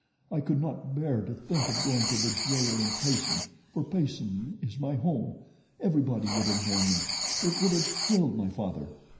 I could not bear to think of going to the jail in Payson, for Payson is my home. Everybody would have known me. It would have killed my father.